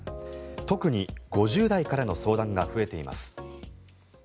特に５０代からの相談が増えています。